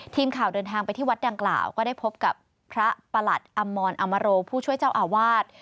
ทีมข่าวเดินทางไปที่วัดดังกล่าวก็ได้พบกับพระประหลัดอมรออมโรผู้ช่วยเจ้าอาวาส